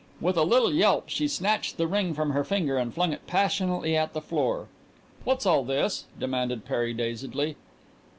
With a little yelp she snatched the ring from her finger and flung it passionately at the floor. "What's all this?" demanded Perry dazedly.